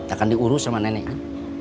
akan diurus sama neneknya